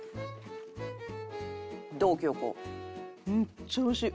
めっちゃおいしい！